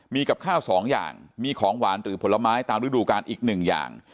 มีกับข้าวสองอย่างมีของหวานหรือผลไม้ตามฤดูกาลอีกหนึ่งอย่าง